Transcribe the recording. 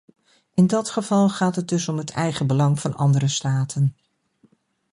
In dat geval gaat het dus om het eigenbelang van andere staten.